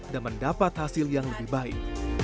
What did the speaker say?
dan mendapat hasil yang lebih baik